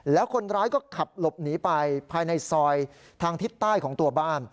แล้วคนร้ายก็ขับหลบหนีไปภายในซอยทางทิศใต้ของตัวบ้าน